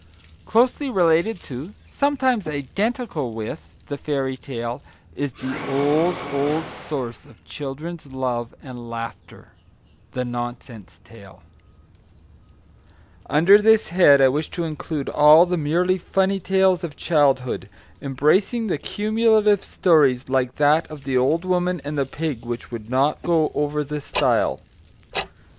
Closely related to, sometimes identical with, the fairy tale is the old, old source of children's love and laughter, THE NONSENSE TALE Under this head I wish to include all the merely funny tales of childhood, embracing the cumulative stories like that of the old woman and the pig which would not go over the stile.